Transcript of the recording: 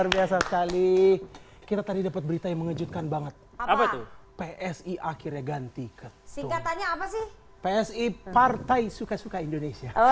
bukan bukan bukan